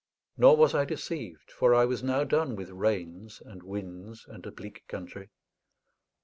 Nor was I deceived, for I was now done with rains and winds and a bleak country.